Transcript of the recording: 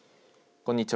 こんにちは。